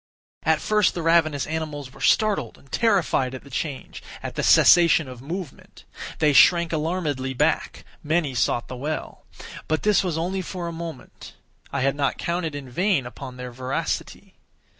At first the ravenous animals were startled and terrified at the change—at the cessation of movement. They shrank alarmedly back; many sought the well. But this was only for a moment. I had not counted in vain upon their voracity.